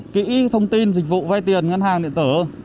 kỹ thông tin dịch vụ vay tiền ngân hàng điện tử